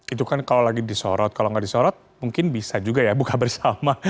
itu kan kalau lagi disorot kalau nggak disorot mungkin bisa juga ya buka bersama